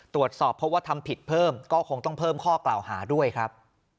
ตรวจสอบเพราะว่าทำผิดเพิ่มก็คงต้องเพิ่มข้อกล่าวหาด้วยครับ